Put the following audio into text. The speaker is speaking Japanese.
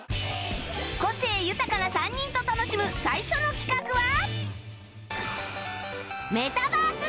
個性豊かな３人と楽しむ最初の企画は